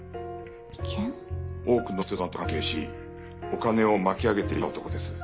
多くの人妻と関係しお金を巻き上げていた男です。